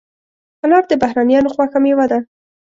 انار د بهرنیانو خوښه مېوه ده.